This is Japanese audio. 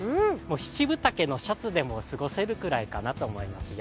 ７分丈のシャツでも過ごせるくらいかなと思いますよ。